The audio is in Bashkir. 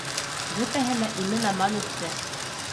Бөтәһе лә имен-аман үтте!